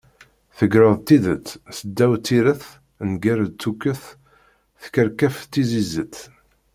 Tedreg tidet, s ddaw tiret, nger-d tukket, tekkerfef d tizizet